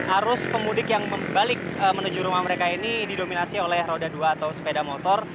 arus pemudik yang balik menuju rumah mereka ini didominasi oleh roda dua atau sepeda motor